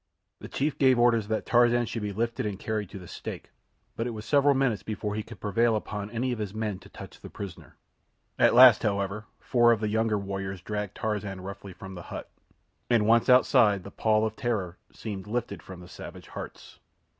The chief gave orders that Tarzan should be lifted and carried to the stake; but it was several minutes before he could prevail upon any of his men to touch the prisoner. At last, however, four of the younger warriors dragged Tarzan roughly from the hut, and once outside the pall of terror seemed lifted from the savage hearts.